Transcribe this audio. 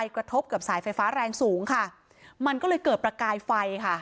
กระทบกับสายไฟฟ้าแรงสูงค่ะมันก็เลยเกิดประกายไฟค่ะ